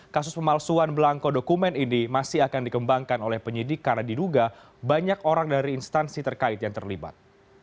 kasus pemalsuan belangko dokumen ini masih akan dikembangkan oleh penyidik karena diduga banyak orang dari instansi terkait yang terlibat